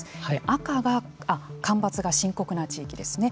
赤が干ばつが深刻な地域ですね。